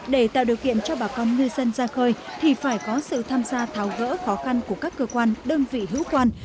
để tạo điều kiện cho bà con ngư dân ra khơi thì phải có sự tham gia tháo gỡ khó khăn của các cơ quan đơn vị hữu quan